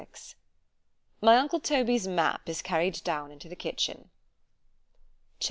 LXXXVI MYy uncle Toby's Map is carried down into the kitchen. C H A P.